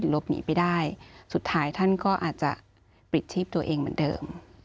หลบหนีไปได้สุดท้ายท่านก็อาจจะปลิดชีพตัวเองเหมือนเดิม